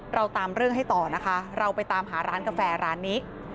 เราตามเรื่องให้ต่อนะคะเราไปตามหาร้านกาแฟร้านนี้